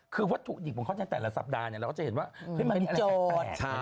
คือว่าถูกหยิบของเขาจากแต่ละสัปดาห์เราก็จะเห็นว่ามันมีโจทย์